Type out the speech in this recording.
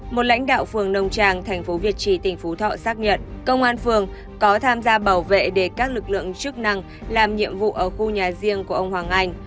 một lãnh đạo phường nông tràng thành phố việt trì tỉnh phú thọ xác nhận công an phường có tham gia bảo vệ để các lực lượng chức năng làm nhiệm vụ ở khu nhà riêng của ông hoàng anh